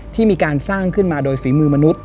ที่มีการสร้างขึ้นมาโดยฝีมือมนุษย